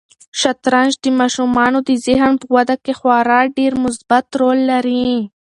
شطرنج د ماشومانو د ذهن په وده کې خورا ډېر مثبت رول لري.